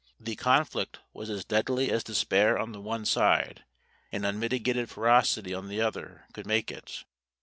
The conflict was as deadly as despair on the one side, and unmitigated ferocity on the other, could make it.